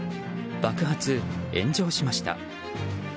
爆発、炎上しました。